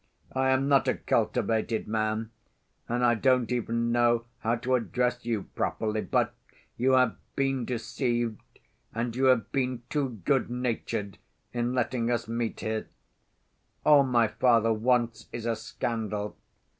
"I am not a cultivated man, and I don't even know how to address you properly, but you have been deceived and you have been too good‐natured in letting us meet here. All my father wants is a scandal.